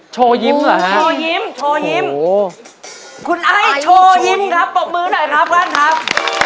โชว์ยิ้มเหรอฮะโชว์ยิ้มโชว์ยิ้มคุณไอ้โชว์ยิ้มครับปรบมือหน่อยครับท่านครับ